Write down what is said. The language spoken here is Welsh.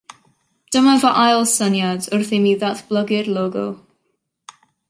Dyma fy ail syniad wrth i mi ddatblygu'r logo